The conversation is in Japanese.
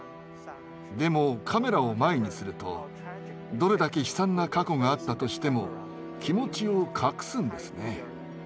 でもカメラを前にするとどれだけ悲惨な過去があったとしても気持ちを隠すんですね。